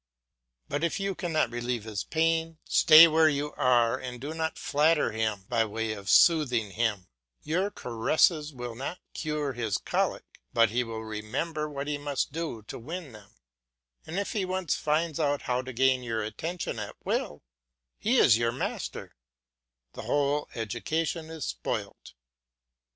But if you cannot relieve his pain, stay where you are and do not flatter him by way of soothing him; your caresses will not cure his colic, but he will remember what he must do to win them; and if he once finds out how to gain your attention at will, he is your master; the whole education is spoilt.